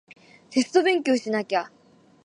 テスト勉強しなきゃ